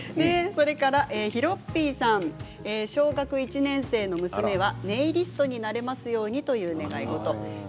それから小学１年生の娘はネイリストになれますようにという願い事です。